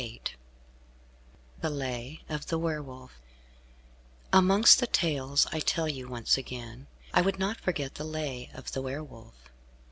VIII THE LAY OF THE WERE WOLF Amongst the tales I tell you once again, I would not forget the Lay of the Were Wolf.